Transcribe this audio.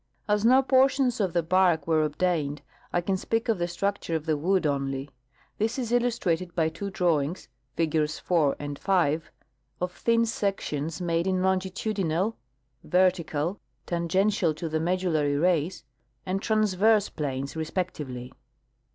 As no portions of the l^ark were obtained, I can speak of the structure of the wood onl3\ This is illustrated liy two drawings (figures 4 and 5) of thin sections made in longitudinal, vertical (tangential to the medullary rays), and transverse planes respectively.